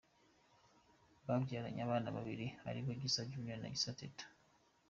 Babyaranye abana babiri, ari bo Gisa Junior na Gisa Teta.